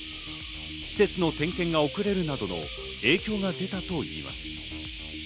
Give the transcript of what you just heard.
施設の点検が遅れるなどの影響が出たといいます。